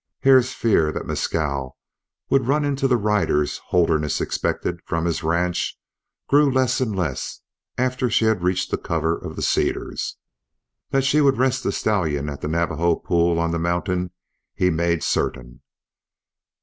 Hare's fear that Mescal would run into the riders Holderness expected from his ranch grew less and less after she had reached the cover of the cedars. That she would rest the stallion at the Navajo pool on the mountain he made certain.